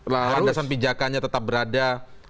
lalu dasar pijakannya tetap berada